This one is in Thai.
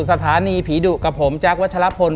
สถานีผีดุกับผมแจ๊ควัชลพล